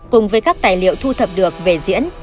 cùng với các tài liệu thu thập được về diễn